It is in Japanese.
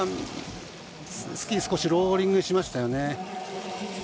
スキー、少しローリングしましたよね。